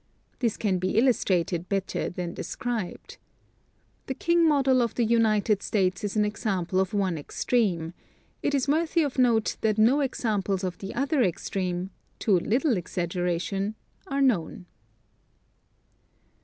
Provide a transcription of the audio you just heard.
This can be illustrated better than described. The King model of the United States is an example of one extreme ; it is worthy of note that no examples of the other extreme — too little exaggeration — are known.